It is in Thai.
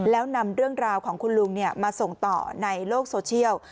แล้วนำเรื่องราวของคุณลุงมาส่งต่อในโลกโซเชียล